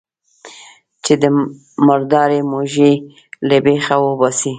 چې د مردارۍ موږی له بېخه وباسي.